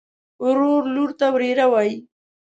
ورور لور ته وريره وايي.